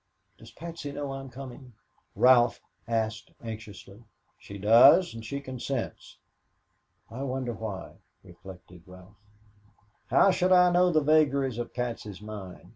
"Does Patsy know I'm coming?" Ralph asked anxiously. "She does, and she consents." "I wonder why," reflected Ralph. "How should I know the vagaries of Patsy's mind?"